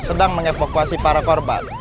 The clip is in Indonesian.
sedang mengevakuasi para korban